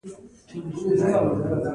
خو فاراني یو بل شعر په فارسي لیکلی وو.